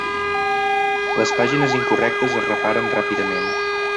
Les pàgines incorrectes es reparen ràpidament.